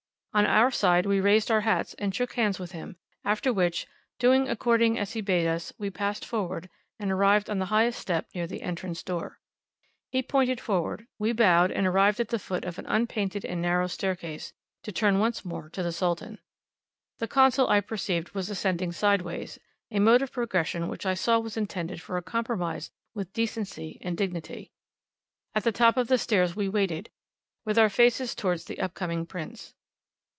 On our side we raised our hats, and shook hands with him, after which, doing according as he bade us, we passed forward, and arrived on the highest step near the entrance door. He pointed forward; we bowed and arrived at the foot of an unpainted and narrow staircase to turn once more to the Sultan. The Consul, I perceived, was ascending sideways, a mode of progression which I saw was intended for a compromise with decency and dignity. At the top of the stairs we waited, with our faces towards the up coming Prince.